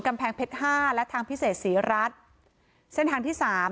กำแพงเพชรห้าและทางพิเศษศรีรัฐเส้นทางที่สาม